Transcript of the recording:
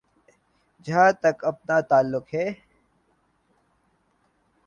جہاں تک اپنا تعلق ہے۔